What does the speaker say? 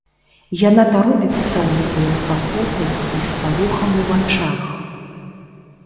Яна таропіцца ў мяне з пакутай і спалохам у вачах.